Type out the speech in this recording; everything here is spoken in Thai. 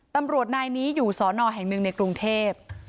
ตำรวจนายนี้อยู่สอนอแห่งหนึ่งในกรุงเทพ